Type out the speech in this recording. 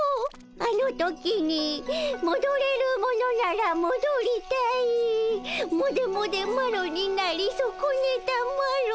「あの時にもどれるものならもどりたいモデモデマロになりそこねたマロ」